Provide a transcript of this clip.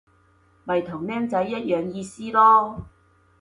咪同僆仔一樣意思囉